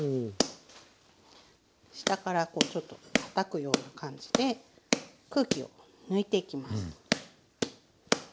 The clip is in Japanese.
下からこうちょっとたたくような感じで空気を抜いていきます。